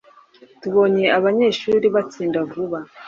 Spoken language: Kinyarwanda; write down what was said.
Tubonye abanyeshuri batsinda vuba”.